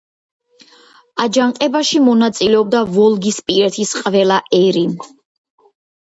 აჯანყებაში მონაწილეობდა ვოლგისპირეთის ყველა ერი.